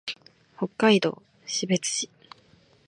北海道士別市